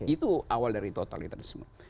itu awal dari totalitas